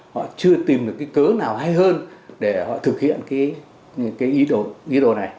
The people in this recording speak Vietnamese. họ chưa tìm được cái cớ nào hay hơn để họ thực hiện cái ý đồ này